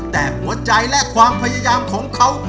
แต่หัวใจและความพยายามของเขา